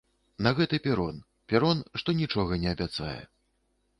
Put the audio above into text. На гэты перон, перон, што нічога не абяцае.